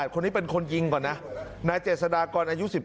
คนนี้เป็นคนยิงก่อนนะนายเจษฎากรอายุ๑๙